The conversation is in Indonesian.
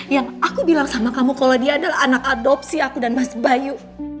yang aku bilang sama kamu kalau dia adalah anak adopsi aku dan mas bayu